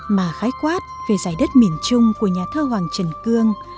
mà khái quát về giải đất miền trung của nhà thơ hoàng trần cương